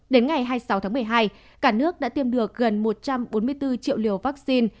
đến ngày hai mươi sáu tháng một mươi hai cả nước đã tiêm được gần một trăm bốn mươi bốn triệu liều vaccine